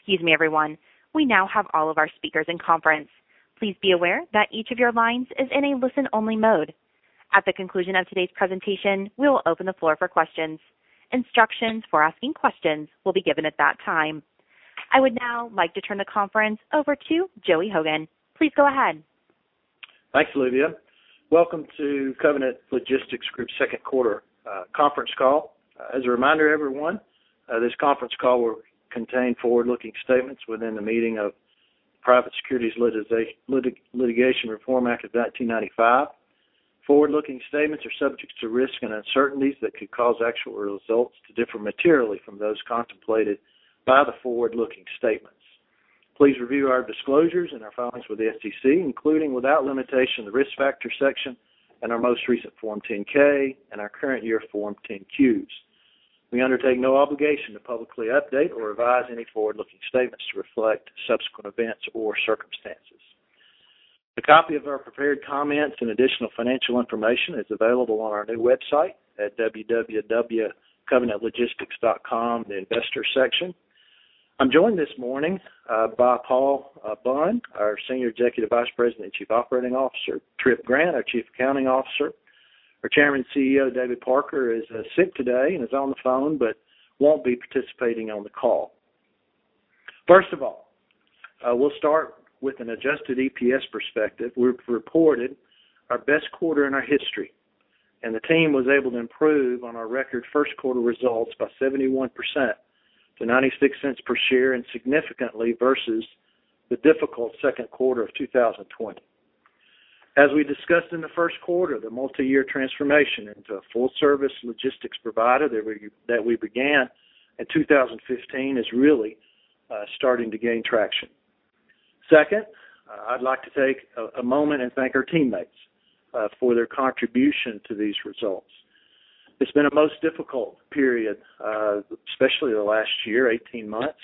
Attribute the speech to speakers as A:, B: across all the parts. A: Excuse me, everyone. We now have all of our speakers in conference. Please be aware that each of your lines is in a listen-only mode. At the conclusion of today's presentation, we will open the floor for questions. Instructions for asking questions will be given at that time. I would now like to turn the conference over to Joey Hogan. Please go ahead.
B: Thanks, Olivia. Welcome to Covenant Logistics Group's second quarter conference call. As a reminder, everyone, this conference call will contain forward-looking statements within the meaning of Private Securities Litigation Reform Act of 1995. Forward-looking statements are subject to risks and uncertainties that could cause actual results to differ materially from those contemplated by the forward-looking statements. Please review our disclosures and our filings with the SEC, including, without limitation, the Risk Factors section in our most recent Form 10-K and our current year Form 10-Qs. We undertake no obligation to publicly update or revise any forward-looking statements to reflect subsequent events or circumstances. A copy of our prepared comments and additional financial information is available on our new website at www.covenantlogistics.com, the Investors section. I'm joined this morning by Paul Bunn, our Senior Executive Vice President and Chief Operating Officer, Tripp Grant, our Chief Accounting Officer. Our Chairman and CEO, David Parker, is sick today and is on the phone but won't be participating on the call. First of all, we'll start with an adjusted EPS perspective. We've reported our best quarter in our history, and the team was able to improve on our record first quarter results by 71% to $0.96 per share and significantly versus the difficult second quarter of 2020. As we discussed in the first quarter, the multi-year transformation into a full-service logistics provider that we began in 2015 is really starting to gain traction. Second, I'd like to take a moment and thank our teammates for their contribution to these results. It's been a most difficult period, especially the last year, 18 months,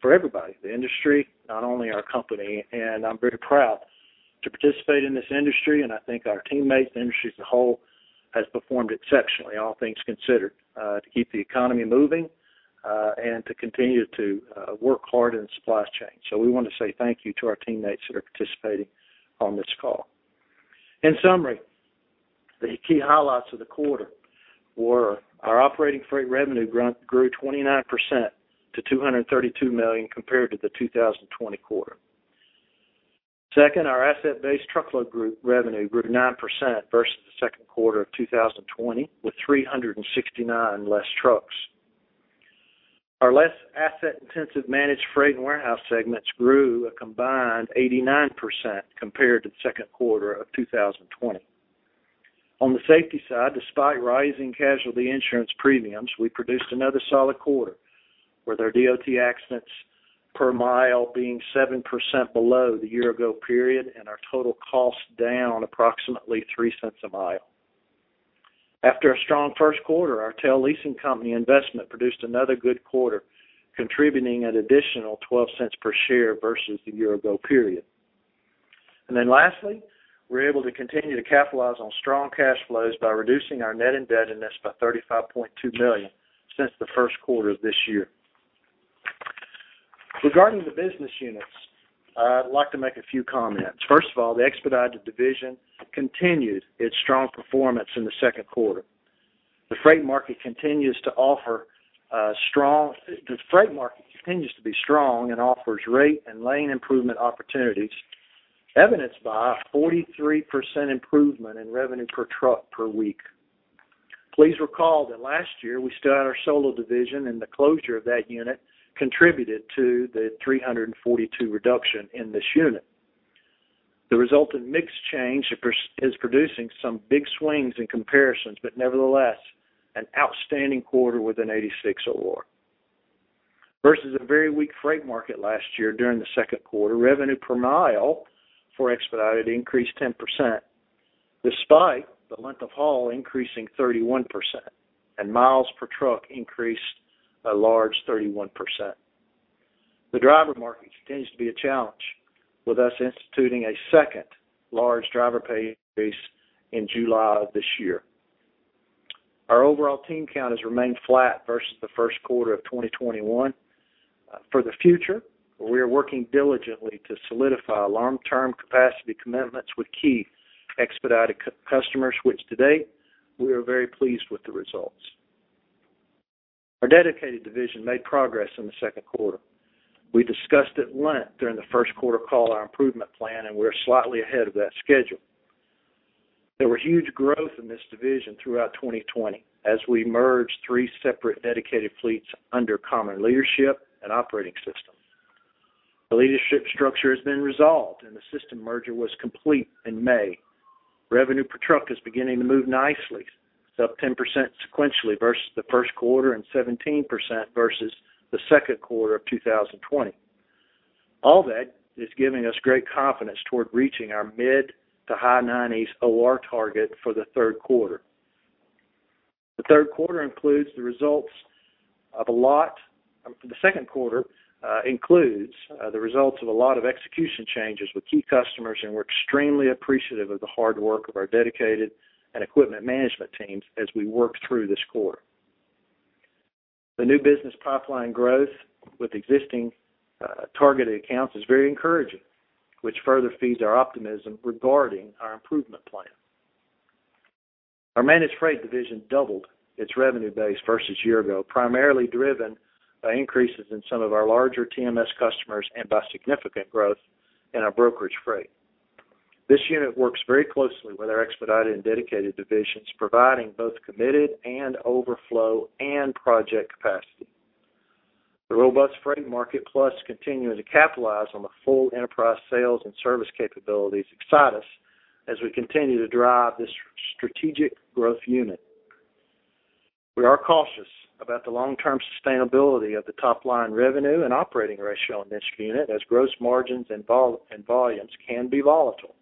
B: for everybody, the industry, not only our company. I'm very proud to participate in this industry, and I thank our teammates. The industry as a whole has performed exceptionally, all things considered, to keep the economy moving and to continue to work hard in supply chain. We want to say thank you to our teammates that are participating on this call. In summary, the key highlights of the quarter were our operating freight revenue grew 29% to $232 million compared to the 2020 quarter. Second, our asset-based truckload group revenue grew 9% versus the second quarter of 2020 with 369 less trucks. Our less asset-intensive managed freight and warehouse segments grew a combined 89% compared to the second quarter of 2020. On the safety side, despite rising casualty insurance premiums, we produced another solid quarter with our DOT accidents per mile being 7% below the year ago period and our total cost down approximately $0.03 a mile. After a strong first quarter, our [TEL] Leasing [company investment produced another good quarter, contributing an additional $0.12 per share versus the year ago period. Lastly, we were able to continue to capitalize on strong cash flows by reducing our net indebtedness by $35.2 million since the first quarter of this year. Regarding the business units, I'd like to make a few comments. First of all, the expedited division continued its strong performance in the second quarter. The freight market continues to be strong and offers rate and lane improvement opportunities, evidenced by a 43% improvement in revenue per truck per week. Please recall that last year we still had our solo division and the closure of that unit contributed to the 342 reduction in this unit. The resultant mix change is producing some big swings in comparisons, but nevertheless, an outstanding quarter with an 86 OR. Versus a very weak freight market last year during the second quarter, revenue per mile for expedited increased 10%, despite the length of haul increasing 31% and miles per truck increased a large 31%. The driver market continues to be a challenge, with us instituting a second large driver pay increase in July of this year. Our overall team count has remained flat versus the first quarter of 2021. For the future, we are working diligently to solidify long-term capacity commitments with key expedited customers, which to date, we are very pleased with the results. Our dedicated division made progress in the second quarter. We discussed at length during the first quarter call our improvement plan, and we're slightly ahead of that schedule. There were huge growth in this division throughout 2020 as we merged three separate dedicated fleets under common leadership and operating systems. The leadership structure has been resolved, and the system merger was complete in May. Revenue per truck is beginning to move nicely. It's up 10% sequentially versus the first quarter and 17% versus the second quarter of 2020. All that is giving us great confidence toward reaching our mid to high 90s OR target for the third quarter. The second quarter includes the results of a lot of execution changes with key customers, and we're extremely appreciative of the hard work of our dedicated and equipment management teams as we work through this quarter. The new business pipeline growth with existing targeted accounts is very encouraging, which further feeds our optimism regarding our improvement plan. Our managed freight division doubled its revenue base versus year ago, primarily driven by increases in some of our larger TMS customers and by significant growth in our brokerage freight. This unit works very closely with our expedited and dedicated divisions, providing both committed and overflow and project capacity. The robust freight market plus continuing to capitalize on the full enterprise sales and service capabilities excite us as we continue to drive this strategic growth unit. We are cautious about the long-term sustainability of the top-line revenue and operating ratio in this unit, as gross margins and volumes can be volatile.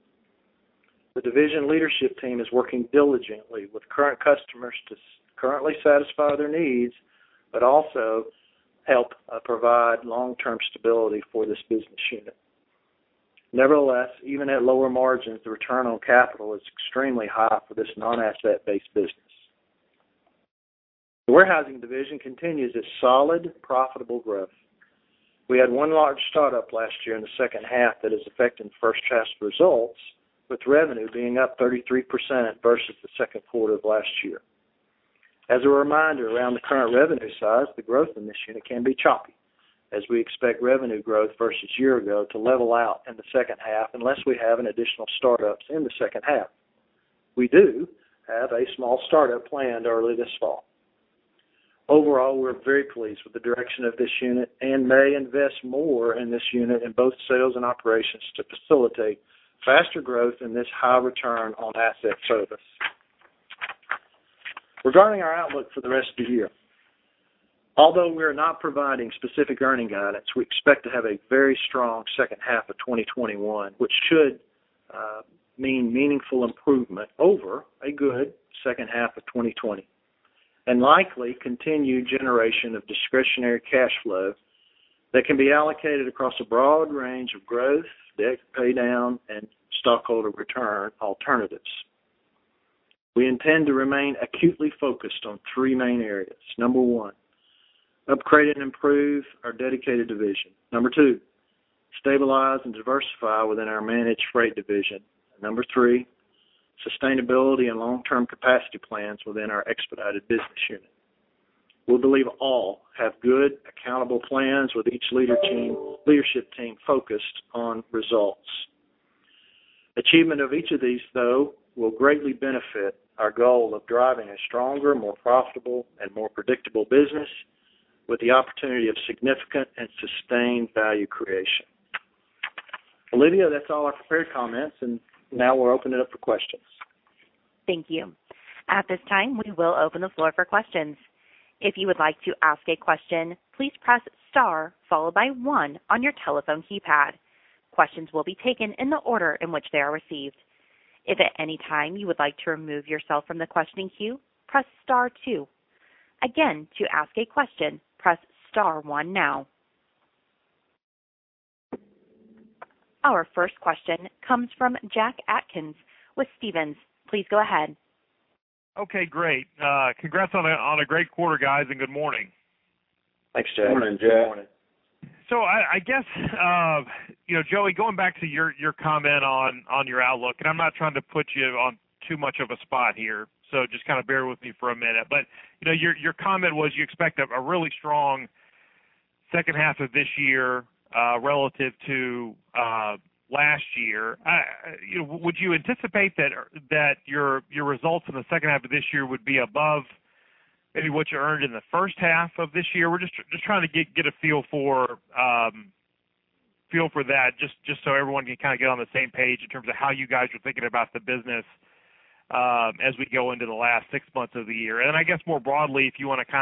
B: The division leadership team is working diligently with current customers to currently satisfy their needs, but also help provide long-term stability for this business unit. Nevertheless, even at lower margins, the return on capital is extremely high for this non-asset-based business. The warehousing division continues its solid profitable growth. We had one large startup last year in the second half that is affecting first half results, with revenue being up 33% versus the second quarter of last year. As a reminder, around the current revenue size, the growth in this unit can be choppy as we expect revenue growth versus year ago to level out in the second half unless we have one additional startups in the second half. We do have a small startup planned early this fall. Overall, we're very pleased with the direction of this unit and may invest more in this unit in both sales and operations to facilitate faster growth in this high return on asset service. Regarding our outlook for the rest of the year, although we are not providing specific earnings guidance, we expect to have a very strong second half of 2021, which should mean meaningful improvement over a good second half of 2020 and likely continued generation of discretionary cash flow that can be allocated across a broad range of growth, debt paydown, and stockholder return alternatives. We intend to remain acutely focused on three main areas. Number one, upgrade and improve our dedicated division. Number two, stabilize and diversify within our managed freight division. Number three, sustainability and long-term capacity plans within our expedited business unit. We believe all have good accountable plans with each leadership team focused on results. Achievement of each of these, though, will greatly benefit our goal of driving a stronger, more profitable, and more predictable business with the opportunity of significant and sustained value creation. Olivia, that's all our prepared comments, and now we'll open it up for questions.
A: Thank you. At this time, we will open the floor for questions. If you would like to ask a question, please press star followed by one on your telephone keypad. Questions will be taken in the order in which they are received. If at any time you would like to remove yourself from the questioning queue, press star two. Again, to ask a question, press star one now. Our first question comes from Jack Atkins with Stephens. Please go ahead.
C: Okay, great. Congrats on a great quarter, guys, and good morning.
B: Thanks, Jack.
D: Morning, Jack.
E: Good morning.
C: I guess, Joey, going back to your comment on your outlook, and I'm not trying to put you on too much of a spot here, so just bear with me for a minute. Your comment was you expect a really strong second half of this year, relative to last year. Would you anticipate that your results in the second half of this year would be above maybe what you earned in the first half of this year? We're just trying to get a feel for that just so everyone can get on the same page in terms of how you guys are thinking about the business as we go into the last six months of the year. Then I guess more broadly, if you want to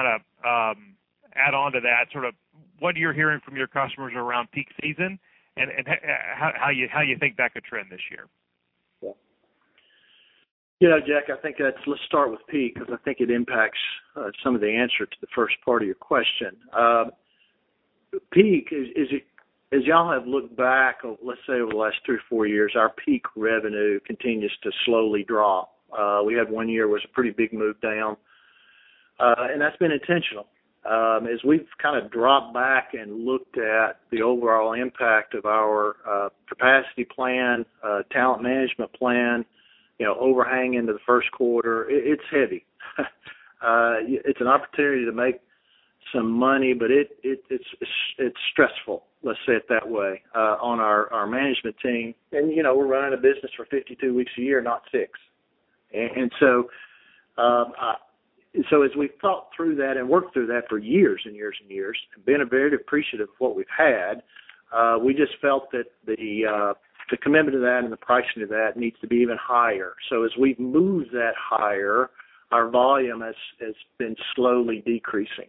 C: add onto that, what you're hearing from your customers around peak season and how you think that could trend this year.
B: Jack, I think let's start with peak because I think it impacts some of the answer to the first part of your question. Peak, as you all have looked back, let's say over the last three or four years, our peak revenue continues to slowly drop. We had one year was a pretty big move down. That's been intentional. As we've dropped back and looked at the overall impact of our capacity plan, talent management plan, overhang into the first quarter, it's heavy. It's an opportunity to make some money. It's stressful. Let's say it that way, on our management team. We're running a business for 52 weeks a year, not six. As we've thought through that and worked through that for years and years, and been very appreciative of what we've had, we just felt that the commitment to that and the pricing of that needs to be even higher. As we've moved that higher, our volume has been slowly decreasing.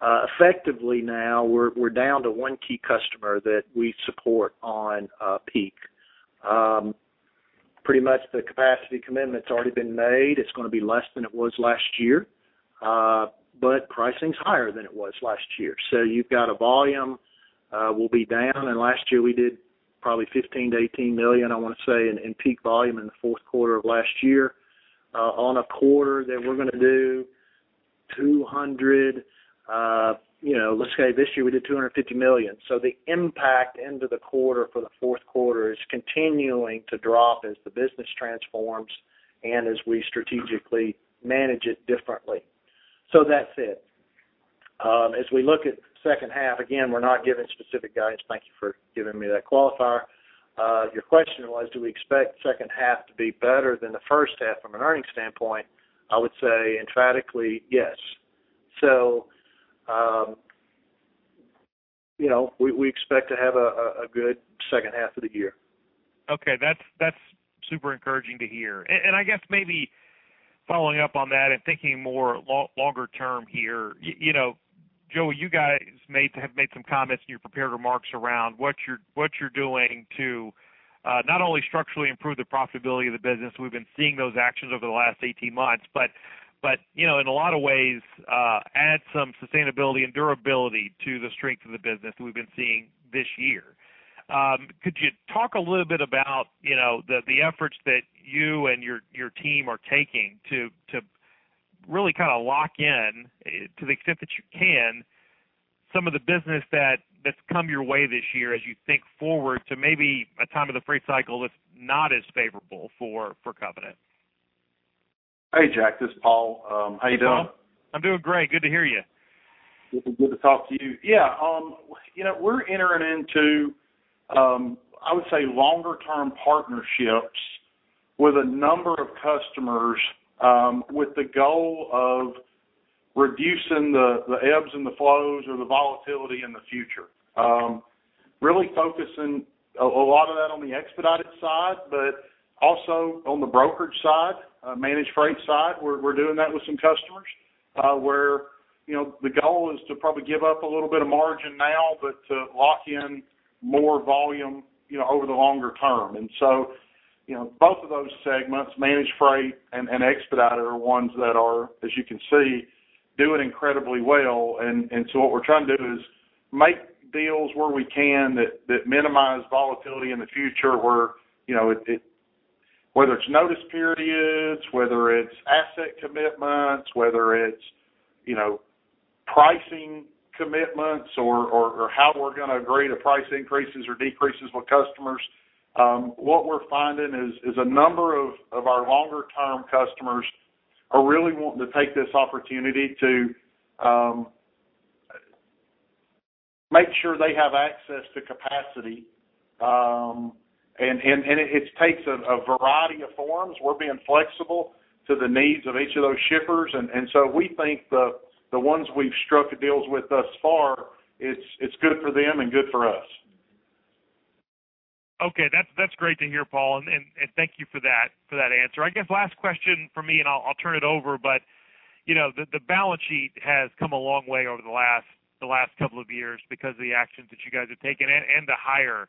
B: Effectively now, we're down to one key customer that we support on peak. Pretty much the capacity commitment's already been made. It's going to be less than it was last year. Pricing is higher than it was last year. You've got a volume will be down, and last year we did probably $15 million-$18 million, I want to say, in peak volume in the 4th quarter of last year. On a quarter that we're going to do $200 million. Let's say this year we did $250 million. The impact into the quarter for the fourth quarter is continuing to drop as the business transforms and as we strategically manage it differently. That's it. As we look at the second half, again, we're not giving specific guidance. Thank you for giving me that qualifier. Your question was, do we expect the second half to be better than the first half from an earnings standpoint? I would say [intrinsically], yes. We expect to have a good second half of the year.
C: Okay. That's super encouraging to hear. I guess maybe following up on that and thinking more longer term here, Joey, you guys have made some comments in your prepared remarks around what you're doing to not only structurally improve the profitability of the business, we've been seeing those actions over the last 18 months, but in a lot of ways add some sustainability and durability to the strength of the business we've been seeing this year. Could you talk a little bit about the efforts that you and your team are taking to really lock in, to the extent that you can, some of the business that's come your way this year as you think forward to maybe a time of the freight cycle that's not as favorable for Covenant?
D: Hey, Jack, this is Paul. How you doing?
C: Hey, Paul. I'm doing great. Good to hear you.
D: It's good to talk to you. Yeah. We're entering into, I would say, longer term partnerships with a number of customers, with the goal of reducing the ebbs and the flows or the volatility in the future, really focusing a lot of that on the expedited side, but also on the brokerage side, managed freight side. We're doing that with some customers, where the goal is to probably give up a little bit of margin now, but to lock in more volume over the longer term. Both of those segments, managed freight and expedited, are ones that are, as you can see, doing incredibly well. What we're trying to do is make deals where we can that minimize volatility in the future, whether it's notice periods, whether it's asset commitments, whether it's pricing commitments or how we're going to agree to price increases or decreases with customers. What we're finding is a number of our longer-term customers are really wanting to take this opportunity to make sure they have access to capacity, and it takes a variety of forms. We're being flexible to the needs of each of those shippers. We think the ones we've struck deals with thus far, it's good for them and good for us.
C: Okay. That's great to hear, Paul, thank you for that answer. I guess last question from me, and I'll turn it over, but the balance sheet has come a long way over the last couple of years because of the actions that you guys have taken and the higher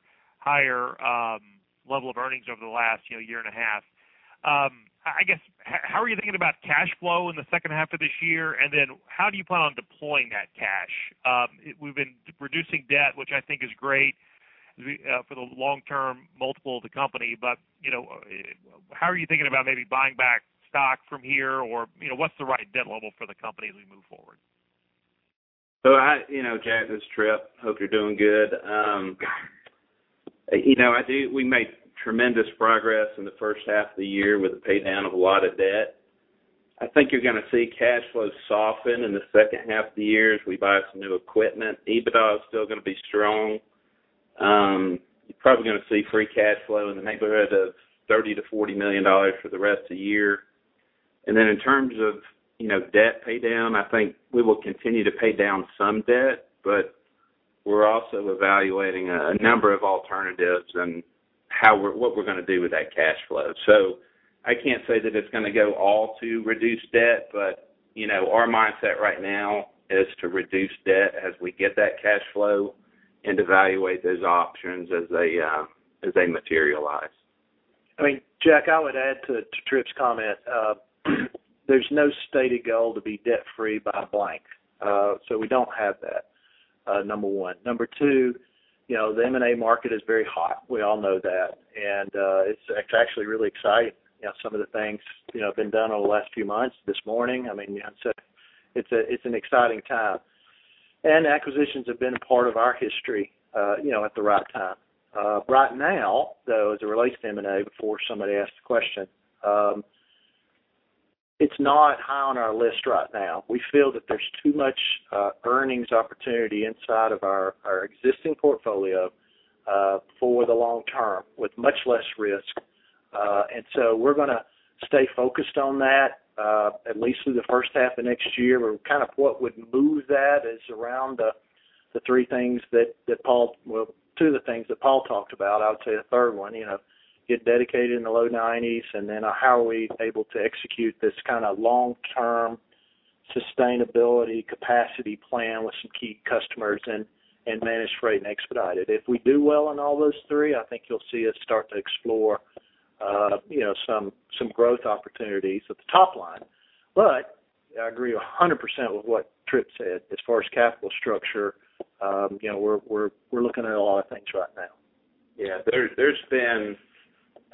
C: level of earnings over the last year and a half. I guess, how are you thinking about cash flow in the second half of this year, and then how do you plan on deploying that cash? We've been reducing debt, which I think is great for the long-term multiple of the company, but how are you thinking about maybe buying back stock from here? What's the right debt level for the company as we move forward?
E: Jack, this is Tripp. Hope you're doing good. We made tremendous progress in the first half of the year with the pay down of a lot of debt. I think you're going to see cash flow soften in the second half of the year as we buy some new equipment. EBITDA is still going to be strong. You're probably going to see free cash flow in the neighborhood of $30 million-$40 million for the rest of the year. In terms of debt pay down, I think we will continue to pay down some debt, but we're also evaluating a number of alternatives and what we're going to do with that cash flow. I can't say that it's going to go all to reduce debt, but our mindset right now is to reduce debt as we get that cash flow and evaluate those options as they materialize.
B: Jack, I would add to Tripp's comment. There's no stated goal to be debt-free by a blank. We don't have that, number one. Number two, the M&A market is very hot. We all know that, and it's actually really exciting some of the things been done over the last few months. This morning, it's an exciting time. Acquisitions have been a part of our history at the right time. Right now, though, as it relates to M&A, before somebody asks the question, it's not high on our list right now. We feel that there's too much earnings opportunity inside of our existing portfolio for the long term with much less risk. We're going to stay focused on that at least through the first half of next year. What would move that is around the three things that Paul, two of the things that Paul talked about. I would say the third one, get dedicated in the low 90s, and then how are we able to execute this long-term sustainability capacity plan with some key customers and managed freight and expedited. If we do well on all those three, I think you'll see us start to explore some growth opportunities at the top line. I agree 100% with what Tripp said as far as capital structure. We're looking at a lot of things right now.
E: Yeah. There's been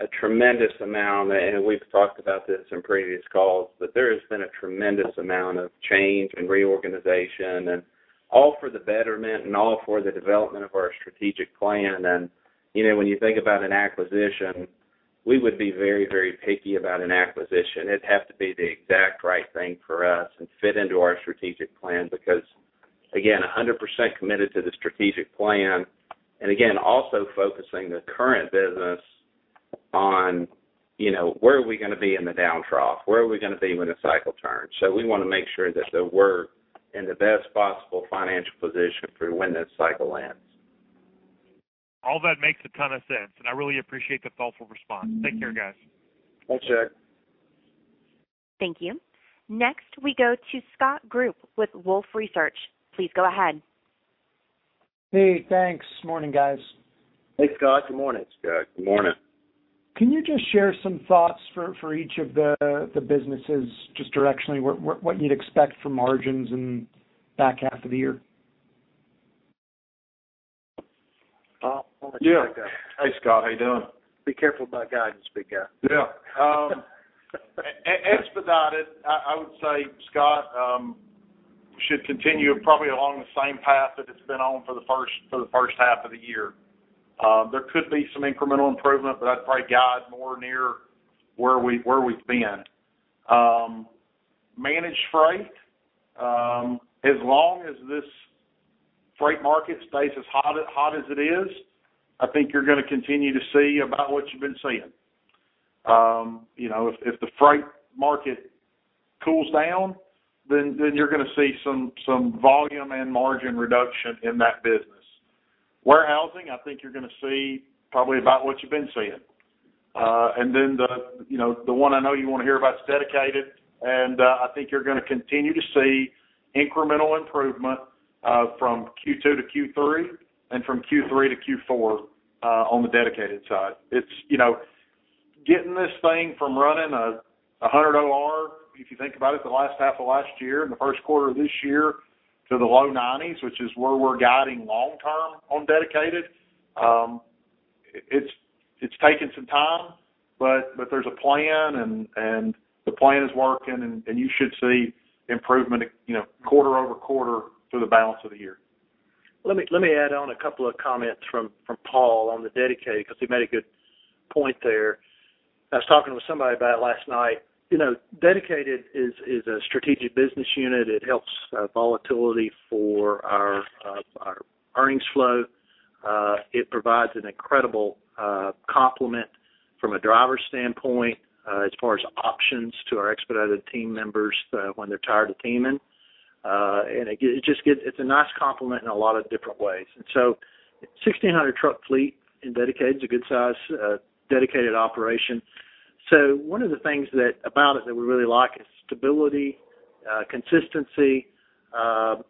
E: a tremendous amount, and we've talked about this in previous calls, but there has been a tremendous amount of change and reorganization, and all for the betterment and all for the development of our strategic plan. When you think about an acquisition, we would be very picky about an acquisition. It'd have to be the exact right thing for us and fit into our strategic plan because, again, 100% committed to the strategic plan, and again, also focusing the current business on where are we going to be in the downtrough, where are we going to be when the cycle turns? We want to make sure that we're in the best possible financial position for when this cycle ends.
C: All that makes a ton of sense, and I really appreciate the thoughtful response. Take care, guys.
D: Thanks, Jack.
A: Thank you. Next, we go to Scott Group with Wolfe Research. Please go ahead.
F: Hey. Thanks. Morning, guys.
B: Hey, Scott. Good morning.
D: Hey, Scott. Good morning.
F: Can you just share some thoughts for each of the businesses, just directionally, what you'd expect for margins in the back half of the year?
D: Yeah. Hey, Scott. How you doing?
B: Be careful about guiding, speaker.
D: Yeah. Expedited, I would say, Scott, should continue probably along the same path that it's been on for the first half of the year. There could be some incremental improvement, I'd probably guide more near where we've been. Managed freight, as long as this freight market stays as hot as it is, I think you're going to continue to see about what you've been seeing. If the freight market cools down, you're going to see some volume and margin reduction in that business. Warehousing, I think you're going to see probably about what you've been seeing. The one I know you want to hear about is dedicated, and I think you're going to continue to see incremental improvement from Q2 to Q3 and from Q3 to Q4 on the dedicated side. It's getting this thing from running a 100 OR, if you think about it, the last half of last year and the first quarter of this year, to the low 90s, which is where we're guiding long-term on dedicated. It's taken some time, but there's a plan, and the plan is working, and you should see improvement quarter-over-quarter through the balance of the year.
B: Let me add on a couple of comments from Paul on the dedicated, because he made a good point there. I was talking with somebody about it last night. Dedicated is a strategic business unit. It helps volatility for our earnings flow. It provides an incredible complement from a driver standpoint as far as options to our expedited team members when they're tired of teaming. It's a nice complement in a lot of different ways. 1,600 truck fleet in dedicated is a good size dedicated operation. One of the things about it that we really like is stability, consistency, all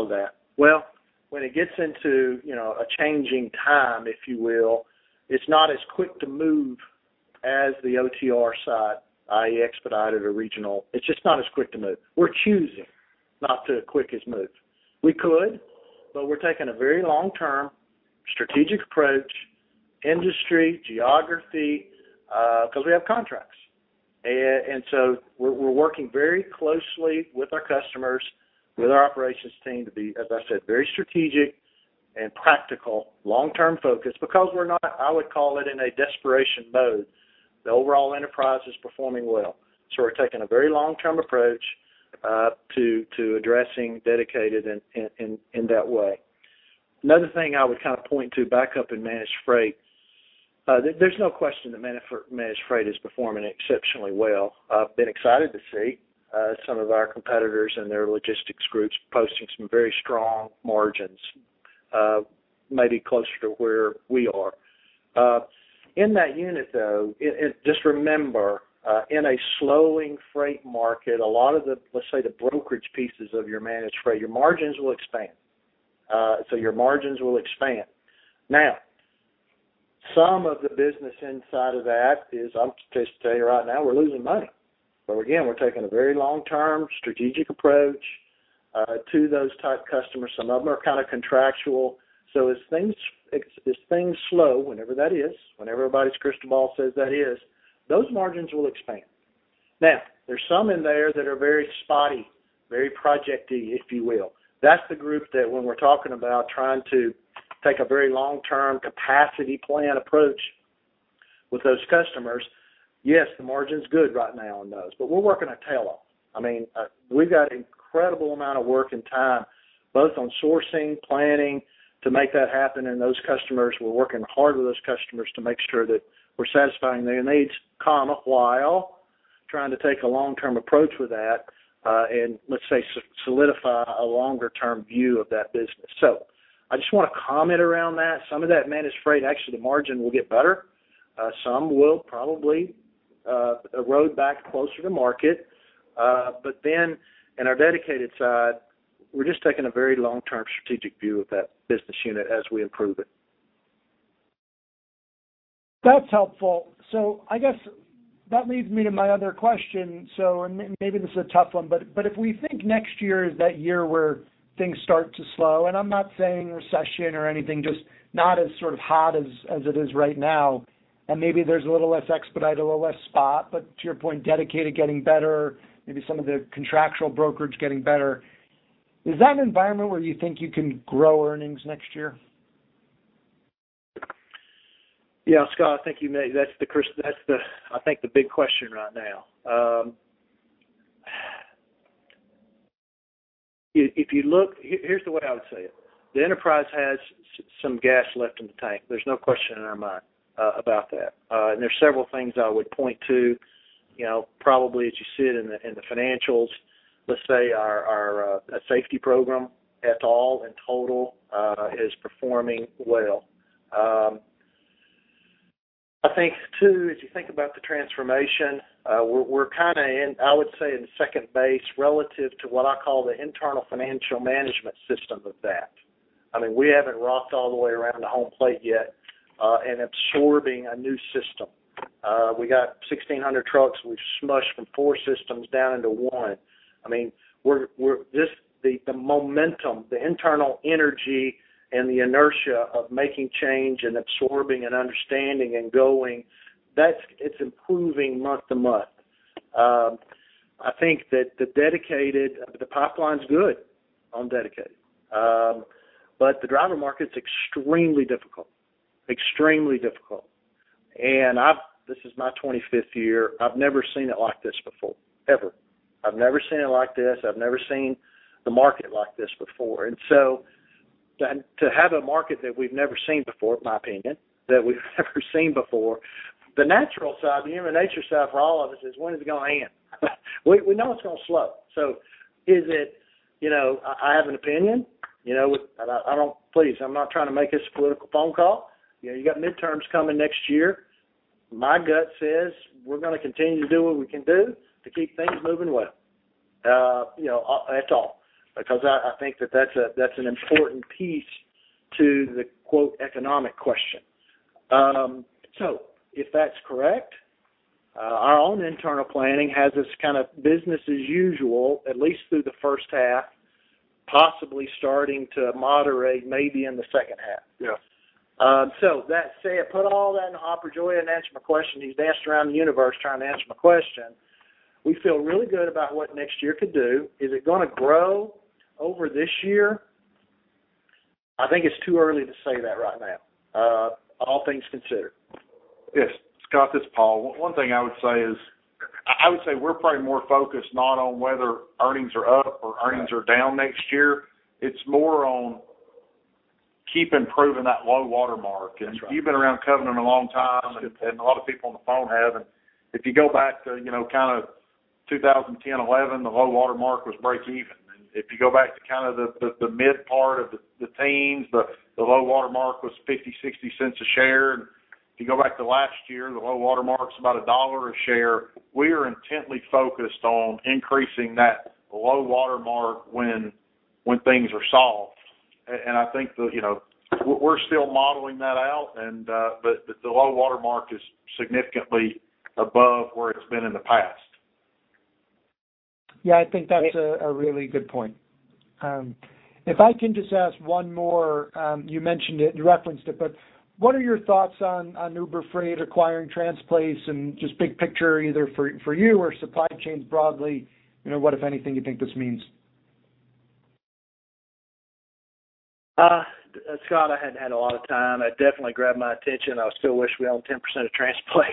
B: of that. When it gets into a changing time, if you will, it's not as quick to move as the OTR side, i.e. expedited or regional. It's just not as quick to move. We're choosing not to quickest move. We could, but we're taking a very long-term strategic approach, industry, geography, because we have contracts. We're working very closely with our customers, with our operations team to be, as I said, very strategic and practical, long-term focused, because we're not, I would call it, in a desperation mode. The overall enterprise is performing well. We're taking a very long-term approach to addressing dedicated in that way. Another thing I would point to, back up in managed freight. There's no question that managed freight is performing exceptionally well. I've been excited to see some of our competitors and their logistics groups posting some very strong margins, maybe closer to where we are. In that unit, though, just remember, in a slowing freight market, a lot of the, let's say, the brokerage pieces of your managed freight, your margins will expand. Your margins will expand. Some of the business inside of that is, I'll just tell you right now, we're losing money. Again, we're taking a very long-term strategic approach to those type customers. Some of them are contractual. As things slow, whenever that is, whenever everybody's crystal ball says that is, those margins will expand. There's some in there that are very spotty, very projecty, if you will. That's the group that when we're talking about trying to take a very long-term capacity plan approach with those customers, yes, the margin's good right now on those, but we're working our tail off. We've got an incredible amount of work and time, both on sourcing, planning to make that happen, and those customers, we're working hard with those customers to make sure that we're satisfying their needs, comma, while trying to take a long-term approach with that and, let's say, solidify a longer-term view of that business. I just want to comment around that. Some of that managed freight, actually, the margin will get better. Some will probably erode back closer to market. In our dedicated side, we're just taking a very long-term strategic view of that business unit as we improve it.
F: That's helpful. I guess that leads me to my other question. Maybe this is a tough one, but if we think next year is that year where things start to slow, and I'm not saying recession or anything, just not as sort of hot as it is right now, and maybe there's a little less expedite, a little less spot, but to your point, dedicated getting better, maybe some of the contractual brokerage getting better. Is that an environment where you think you can grow earnings next year?
B: Yeah, Scott, I think you may. That's, I think, the big question right now. Here's the way I would say it. The enterprise has some gas left in the tank. There's no question in our mind about that. There's several things I would point to, probably as you see it in the financials, let's say our safety program at all, in total, is performing well. I think, too, as you think about the transformation, we're kind of in, I would say, in second base relative to what I call the internal financial management system of that. We haven't rocked all the way around the home plate yet in absorbing a new system. We got 1,600 trucks. We've smushed from four systems down into one. The momentum, the internal energy, and the inertia of making change and absorbing and understanding and going, it's improving month-to-month. I think that the dedicated pipeline's good on dedicated. The driver market's extremely difficult. This is my 25th year, I've never seen it like this before, ever. I've never seen it like this. I've never seen the market like this before. To have a market that we've never seen before, in my opinion, that we've never seen before, the natural side, the human nature side for all of us is when is it going to end? We know it's going to slow. I have an opinion. Please, I'm not trying to make this a political phone call. You got midterms coming next year. My gut says we're going to continue to do what we can do to keep things moving well at all. I think that's an important piece to the, quote, "economic question." If that's correct, our own internal planning has this kind of business as usual, at least through the first half, possibly starting to moderate maybe in the second half.
D: Yeah.
F: That said, put all that in a hopper, Joey, and answer my question. He's danced around the universe trying to answer my question. We feel really good about what next year could do. Is it going to grow over this year?
B: I think it's too early to say that right now, all things considered.
D: Yes. Scott, this is Paul. One thing I would say is, I would say we're probably more focused not on whether earnings are up or earnings are down next year. It's more on keep improving that low water mark.
B: That's right.
D: You've been around Covenant a long time.
B: Sure
D: A lot of people on the phone have. If you go back to 2010, 2011, the low water mark was breakeven. If you go back to the mid part of the teens, the low water mark was $0.50, $0.60 a share. If you go back to last year, the low water mark's about $1 a share. We are intently focused on increasing that low water mark when things are soft. I think that we're still modeling that out. The low water mark is significantly above where it's been in the past.
F: I think that's a really good point. If I can just ask one more. You referenced it, what are your thoughts on Uber Freight acquiring Transplace and just big picture either for you or supply chains broadly, what, if anything, you think this means?
B: Scott, I hadn't had a lot of time. It definitely grabbed my attention. I still wish we owned 10% of Transplace.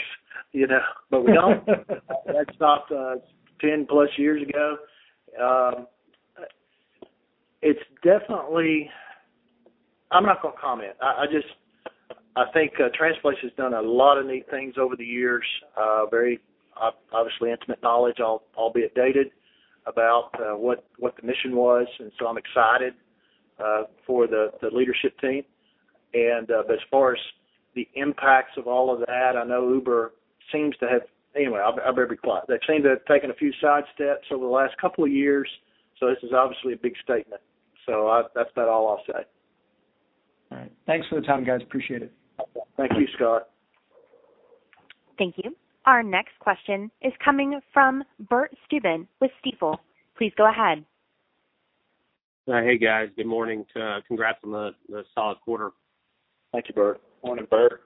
B: We don't. That stock, 10+ years ago. I'm not going to comment. I think Transplace has done a lot of neat things over the years. Very, obviously, intimate knowledge, albeit dated, about what the mission was. I'm excited for the leadership team. As far as the impacts of all of that, I better be quiet. They seem to have taken a few sidesteps over the last couple of years. This is obviously a big statement. That's about all I'll say.
F: All right. Thanks for the time, guys. Appreciate it.
B: Thank you, Scott.
A: Thank you. Our next question is coming from Bert Subin with Stifel. Please go ahead.
G: Hey, guys. Good morning. Congrats on the solid quarter.
B: Thank you, Bert.
D: Morning, Bert.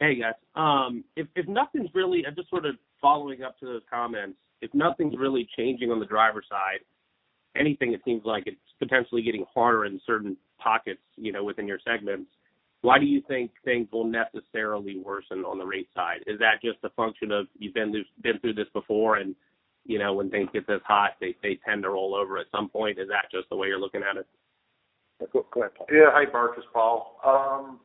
G: Hey, guys. Just sort of following up to those comments, if nothing's really changing on the driver side, anything it seems like it's potentially getting harder in certain pockets within your segments. Why do you think things will necessarily worsen on the rate side? Is that just a function of you've been through this before, and when things get this hot, they tend to roll over at some point? Is that just the way you're looking at it?
B: Go ahead, Paul.
D: Yeah. Hey, Bert. It's Paul.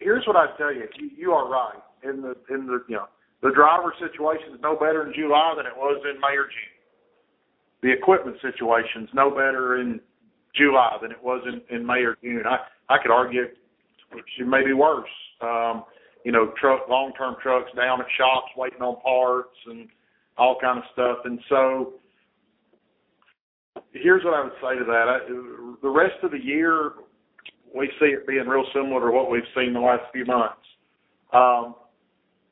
D: Here's what I'd tell you. You are right. The driver situation is no better in July than it was in May or June. The equipment situation's no better in July than it was in May or June. I could argue it may be worse. Long-term trucks down at shops waiting on parts and all kind of stuff. Here's what I would say to that. The rest of the year, we see it being real similar to what we've seen in the last few months.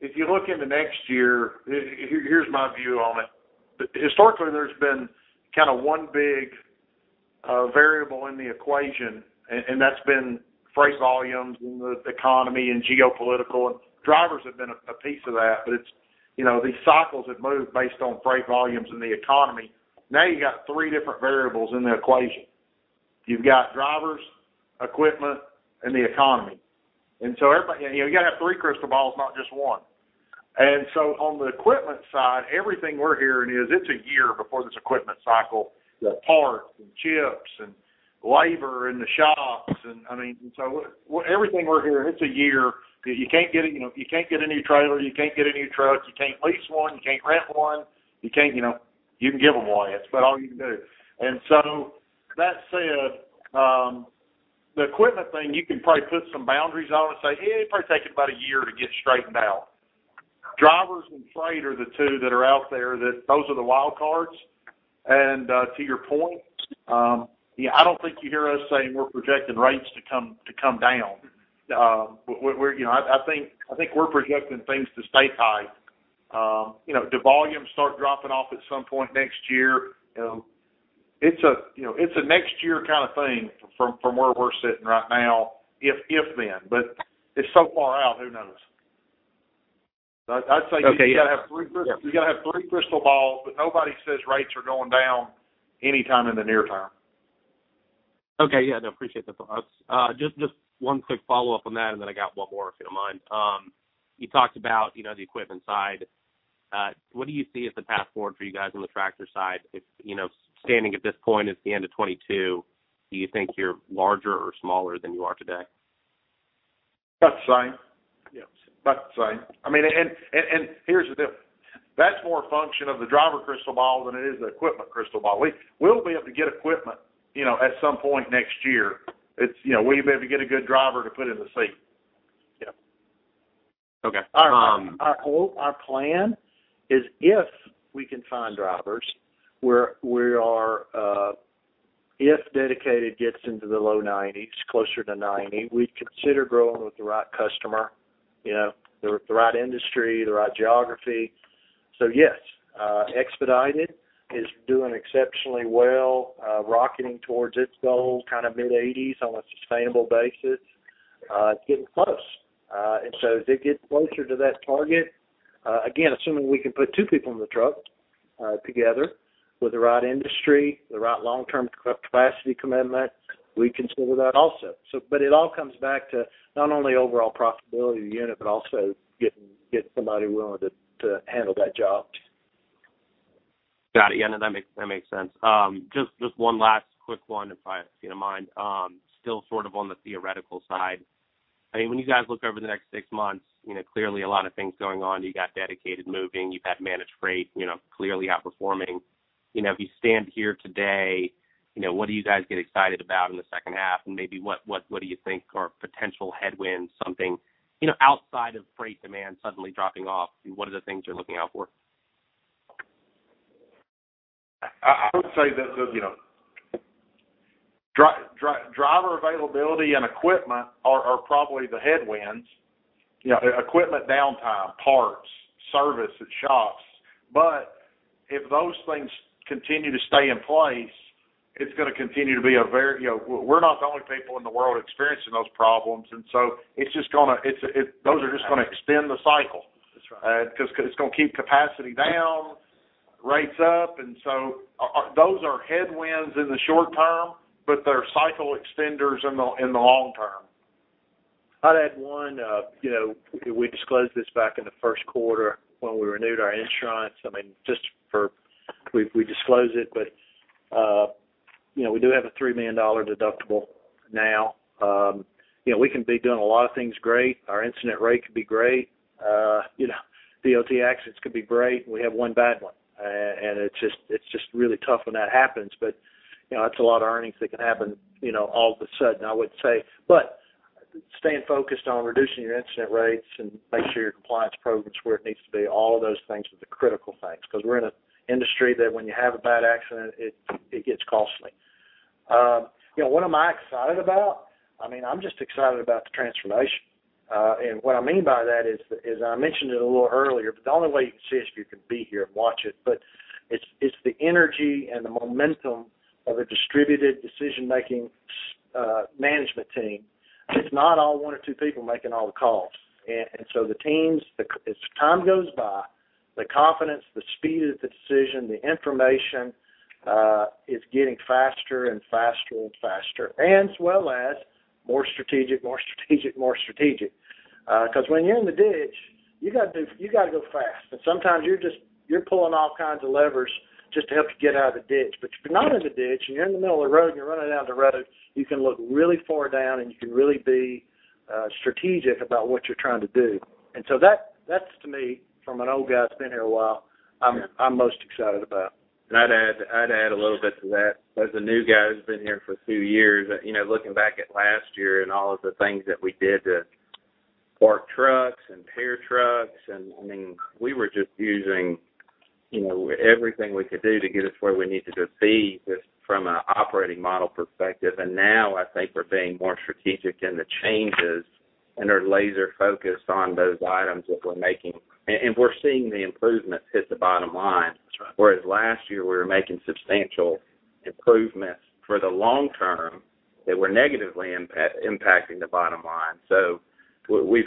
D: If you look into next year, here's my view on it. Historically, there's been one big variable in the equation, and that's been freight volumes and the economy and geopolitical. Drivers have been a piece of that, but these cycles have moved based on freight volumes and the economy. Now you got three different variables in the equation. You've got drivers, equipment, and the economy. You got to have three crystal balls, not just one. On the equipment side, everything we're hearing is it's a year before this equipment cycle, the parts and chips and labor in the shops. Everything we're hearing, it's a year. You can't get a new trailer, you can't get a new truck, you can't lease one, you can't rent one. You can give them one, that's about all you can do. That said, the equipment thing, you can probably put some boundaries on and say, "It'll probably take about a year to get straightened out." Drivers and freight are the two that are out there, those are the wild cards. To your point, I don't think you hear us saying we're projecting rates to come down. I think we're projecting things to stay high. Do volumes start dropping off at some point next year? It's a next year kind of thing from where we're sitting right now, if then. It's so far out, who knows? I'd say you got to have three crystal balls, but nobody says rates are going down anytime in the near term.
G: Okay. Yeah, no, appreciate the thoughts. Just one quick follow-up on that, and then I got one more, if you don't mind. You talked about the equipment side. What do you see as the path forward for you guys on the tractor side? Standing at this point, it's the end of 2022, do you think you're larger or smaller than you are today?
D: About the same.
B: Yeah.
D: About the same. Here's the deal. That's more a function of the driver crystal ball than it is the equipment crystal ball. We'll be able to get equipment at some point next year. It's will you be able to get a good driver to put in the seat?
G: Okay.
B: Our plan is if we can find drivers, if dedicated gets into the low 90s, closer to 90, we'd consider growing with the right customer, the right industry, the right geography. Yes, expedited is doing exceptionally well, rocketing towards its goal, mid-80s on a sustainable basis. It's getting close. As it gets closer to that target, again, assuming we can put two people in the truck together with the right industry, the right long-term capacity commitment, we consider that also. It all comes back to not only overall profitability of the unit, but also getting somebody willing to handle that job.
G: Got it. Yeah, no, that makes sense. Just one last quick one if you don't mind. Still sort of on the theoretical side. When you guys look over the next 6 months, clearly a lot of things going on. You got dedicated moving, you've got managed freight clearly outperforming. If you stand here today, what do you guys get excited about in the 2nd half? Maybe what do you think are potential headwinds, something outside of freight demand suddenly dropping off? What are the things you're looking out for?
D: I would say that driver availability and equipment are probably the headwinds. Equipment downtime, parts, service at shops. If those things continue to stay in place, we're not the only people in the world experiencing those problems, those are just going to extend the cycle.
B: That's right.
D: It's going to keep capacity down, rates up. Those are headwinds in the short term, but they're cycle extenders in the long term.
B: I'd add one. We disclosed this back in the first quarter when we renewed our insurance. We disclose it, but we do have a $3 million deductible now. We can be doing a lot of things great. Our incident rate could be great. DOT accidents could be great, and we have one bad one. It's just really tough when that happens. That's a lot of earnings that can happen all of a sudden, I would say. Staying focused on reducing your incident rates and making sure your compliance program's where it needs to be, all of those things are the critical things, because we're in an industry that when you have a bad accident, it gets costly. What am I excited about? I'm just excited about the transformation. What I mean by that is, I mentioned it a little earlier, but the only way you can see this is if you can be here and watch it, but it's the energy and the momentum of a distributed decision-making management team. It's not all one or two people making all the calls. The teams, as time goes by, the confidence, the speed of the decision, the information is getting faster and faster and faster, as well as more strategic, more strategic, more strategic. When you're in the ditch, you got to go fast. Sometimes you're pulling all kinds of levers just to help you get out of the ditch. You're not in the ditch and you're in the middle of the road and you're running down the road, you can look really far down, and you can really be strategic about what you're trying to do. That's, to me, from an old guy that's been here a while, I'm most excited about.
E: I'd add a little bit to that. As a new guy who's been here for a few years, looking back at last year and all of the things that we did to fork trucks and power trucks. We were just using everything we could do to get us where we needed to be just from an operating model perspective. Now I think we're being more strategic in the changes and are laser-focused on those items that we're making. We're seeing the improvements hit the bottom line.
B: That's right.
E: Whereas last year we were making substantial improvements for the long term that were negatively impacting the bottom line. We've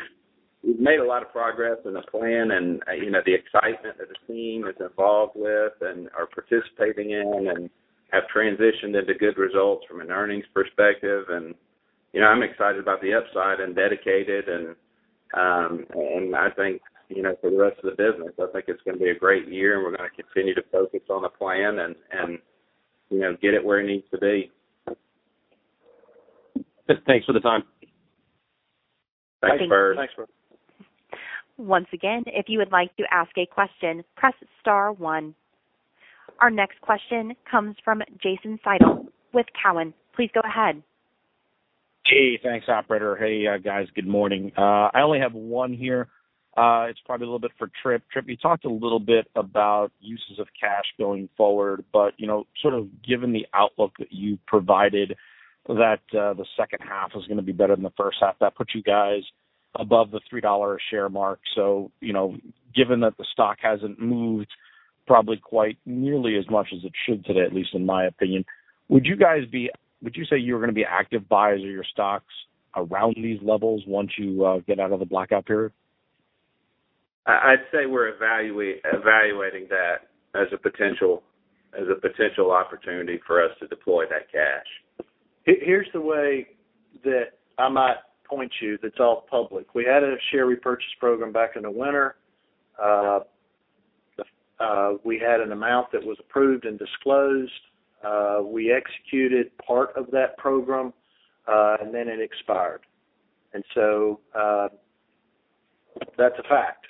E: made a lot of progress in the plan, and the excitement that the team is involved with and are participating in and have transitioned into good results from an earnings perspective. I'm excited about the upside and dedicated, and I think for the rest of the business, I think it's going to be a great year, and we're going to continue to focus on the plan and get it where it needs to be.
G: Thanks for the time.
E: Thanks, Bert.
B: Thanks, Bert.
A: Once again, if you would like to ask a question, press star one. Our next question comes from Jason Seidl with Cowen. Please go ahead.
H: Hey, thanks, operator. Hey, guys. Good morning. I only have one here. It's probably a little bit for Tripp. Tripp, you talked a little bit about uses of cash going forward, but sort of given the outlook that you provided that the second half is going to be better than the first half, that puts you guys above the $3 a share mark. Given that the stock hasn't moved probably quite nearly as much as it should today, at least in my opinion, would you say you're going to be active buyers of your stocks around these levels once you get out of the blackout period?
E: I'd say we're evaluating that as a potential opportunity for us to deploy that cash.
B: Here's the way that I might point you that's all public. We added a share repurchase program back in the winter. We had an amount that was approved and disclosed. We executed part of that program, then it expired. That's a fact.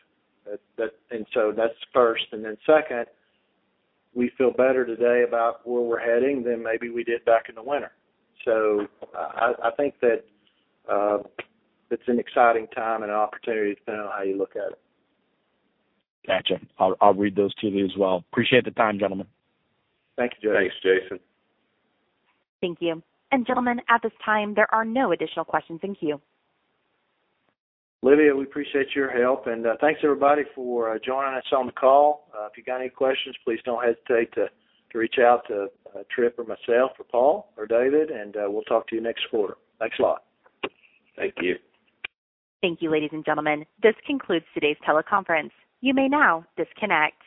B: That's first, and then second, we feel better today about where we're heading than maybe we did back in the winter. I think that it's an exciting time and an opportunity, depending on how you look at it.
H: Got you. I'll read those two as well. Appreciate the time, gentlemen.
B: Thank you, Jason.
E: Thanks, Jason.
A: Thank you. Gentlemen, at this time, there are no additional questions in queue.
B: Olivia, we appreciate your help, and thanks everybody for joining us on the call. If you got any questions, please don't hesitate to reach out to Tripp or myself or Paul or David, and we'll talk to you next quarter. Thanks a lot.
E: Thank you.
A: Thank you, ladies and gentlemen. This concludes today's teleconference. You may now disconnect.